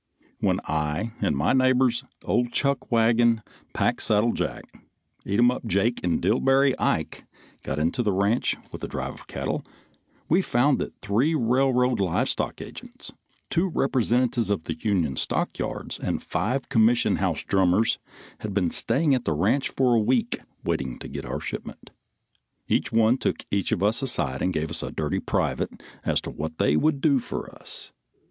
When I and my neighbors, old Chuckwagon, Packsaddle Jack, Eatumup Jake and Dillbery Ike got into the ranch with a drive of cattle we found that three railroad live stock agents, two representatives of the union stockyards and five commission house drummers had been staying at the ranch for a week waiting to get our shipment. Each one took each of us aside and gave us a dirty private as to what they would do for us.